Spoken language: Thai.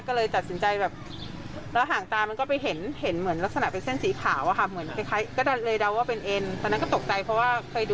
ก็เลยตัดสินใจอล้มก็ล้มก็เลยปล่อยมือปล่อยมือซ้าย